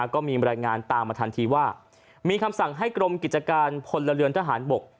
ก็มีบรรยายงานตามมาทันทีว่ามีคำสั่งให้กรมกิจการพลเรือนทหารบก